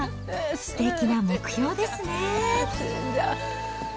すてきな目標ですね。